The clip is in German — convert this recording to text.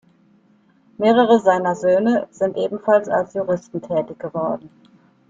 Mehrere seiner Söhne sind ebenfalls als Juristen tätig geworden.